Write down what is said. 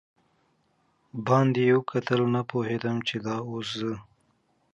باندې وکتل، نه پوهېدم چې دا اوس زه.